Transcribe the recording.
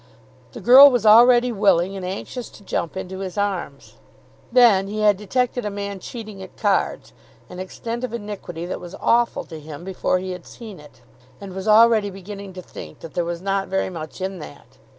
The girl was already willing and anxious to jump into his arms. Then he had detected a man cheating at cards, an extent of iniquity that was awful to him before he had seen it, and was already beginning to think that there was not very much in that.